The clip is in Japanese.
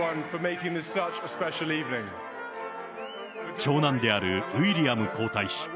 長男であるウィリアム皇太子。